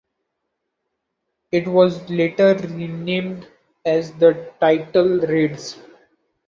It was later renamed as the title reads.